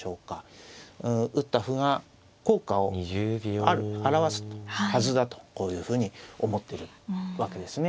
打った歩が効果を表すはずだとこういうふうに思ってるわけですね。